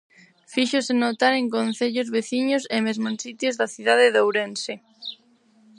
Fíxose notar en concellos veciños e mesmo en sitios da cidade de Ourense.